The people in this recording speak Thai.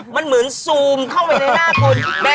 มันเหมือนซูมเข้าไปในหน้าคุณ